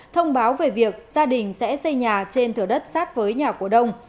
thông báo về việc gia đình sẽ xây nhà trên thửa đất sát với nhà cổ đông